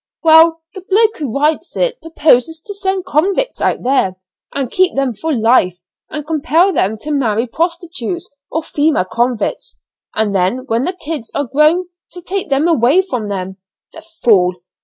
"Well, the bloke who writes it proposes to send convicts out there, and keep them for life and compel them to marry prostitutes or female convicts, and then when the 'kids' are grown to take them away from them! The fool!